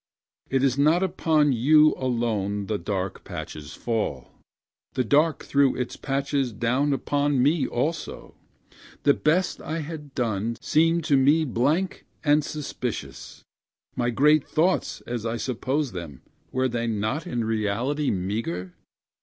It is not upon you alone the dark patches fall, The dark threw patches down upon me also; The best I had done seemed to me blank and suspicious; My great thoughts, as I supposed them, were they not in reality meagre?